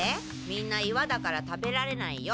みんな岩だから食べられないよ。